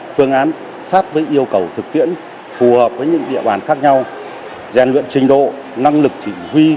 phương án sát với yêu cầu thực tiễn phù hợp với những địa bàn khác nhau rèn luyện trình độ năng lực chỉ huy